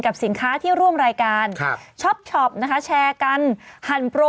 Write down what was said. กับสินค้าที่ร่วมรายการชอปนะคะแชร์กันหั่นโปร